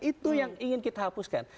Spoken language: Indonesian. itu yang ingin kita hapuskan